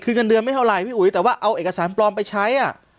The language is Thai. คือเงินเดือนไม่เท่าไหร่พี่อุ๋ยแต่ว่าเอาเอกสารปลอมไปใช้อ่ะ